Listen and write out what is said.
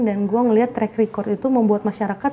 dan gue ngeliat track record itu membuat masyarakat